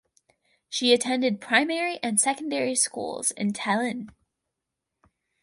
She attended primary and secondary schools in Tallinn.